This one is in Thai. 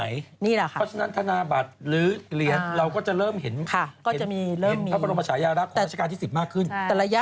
อย่างที่เราบอกว่าเปลี่ยนราชสมัย